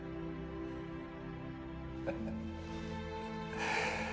ハハハ。